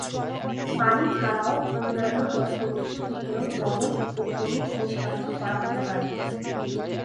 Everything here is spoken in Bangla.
পানি ছাড়াও অন্যান্য লক্ষ্যবস্তু থেকেও লবণ ও খনিজ নিষ্কাশন করা হতে পারে।